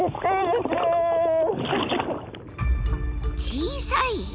小さい？